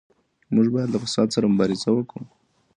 موږ بايد له فساد سره مبارزه وکړو.